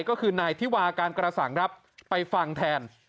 ก็คือนายธิวาการกระสังครับไปฟังแทน